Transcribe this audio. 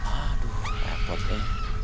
aduh repot ya